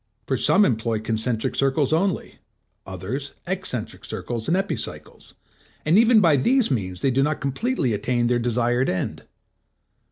For some employ concentric circles only; others, eccentric circles and epicycles; and even by these means they do not completely attain the desired end.